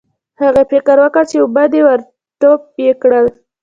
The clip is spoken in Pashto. هغې فکر وکړ چې اوبه دي او ور ټوپ یې کړل.